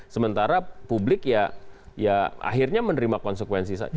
sementara publik ya akhirnya menerima konsekuensi saja